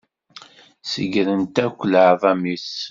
Segrent akk leεḍam-is.